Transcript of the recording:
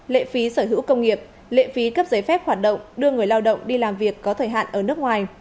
lệ phí sở hữu công nghiệp lệ phí cấp giấy phép hoạt động đưa người lao động đi làm việc có thời hạn ở nước ngoài